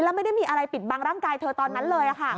แล้วไม่ได้มีอะไรปิดบังร่างกายเธอตอนนั้นเลยค่ะ